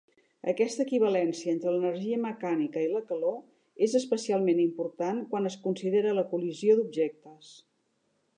Aquesta equivalència entre l'energia mecànica i la calor és especialment important quan es considera la col·lisió d'objectes.